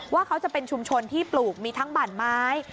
ว่าเขาจะเป็นชุมชนที่ปลูกมีทั้งบ่านไม้